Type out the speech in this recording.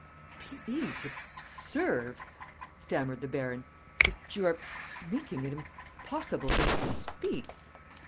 ..." "Please observe," stammered the baron, "that you are making it impossible for me to speak."